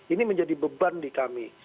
ini menjadi beban di kami